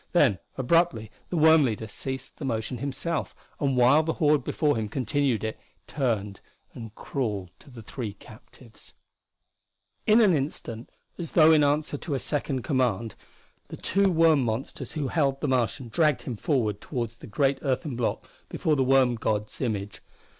Then abruptly the worm leader ceased the motion himself, and while the horde before him continued it, turned and crawled to the three captives. In an instant, as though in answer to a second command, the two worm monsters who held the Martian dragged him forward toward the great earthen block before the worm god's image.